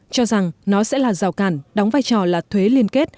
cho rằng nó sẽ là rào cản đóng vai trò là thuế liên kết